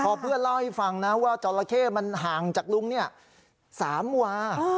พอเพื่อนเล่าให้ฟังนะว่าจราเข้มันห่างจากลุง๓วา